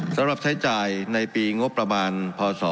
สำหรับใช้จ่ายในปีงบประมาณพศ